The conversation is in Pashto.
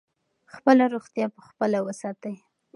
خپله روغتیا په خپله وساتئ.